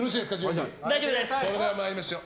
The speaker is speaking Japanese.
それでは参りましょう。